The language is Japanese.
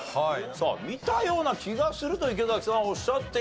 さあ見たような気がすると池さんはおっしゃっています。